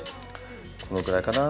このくらいかな。